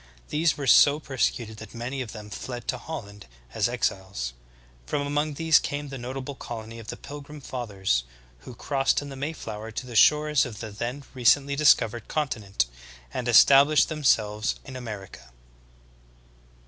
These were so persecuted that many of them fled to Holland as ex iles. From among these came the notable colony of the Pil grim Fathers, who crossed in the Mayflower to the shores of the then recently discovered continent, and established them selves in America.